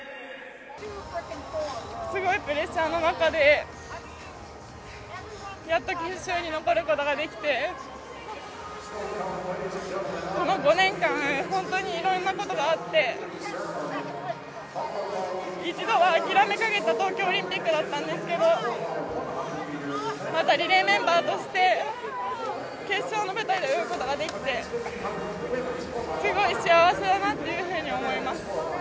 すごいプレッシャーの中で、やっと決勝に残ることができて、この５年間、本当にいろんなことがあって、一度は諦めかけた東京オリンピックだったんですけれども、またリレーメンバーとして決勝の舞台で泳ぐことができて、すごい幸せだなと思います。